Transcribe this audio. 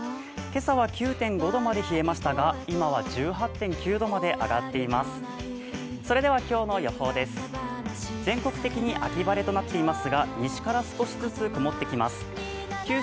今日は９．５度まで冷えましたが、今は１８度になっています。